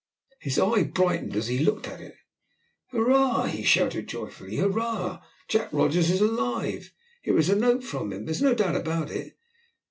His eye brightened as he looked at it. "Hurrah!" he shouted joyfully; "hurrah! Jack Rogers is alive; here is a note from him. There is no doubt about it.